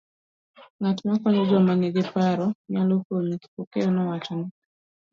Ng'at makonyo joma ni gi paro nyalo konyi, Kipokeo nowachone, .